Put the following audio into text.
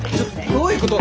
どういうこと？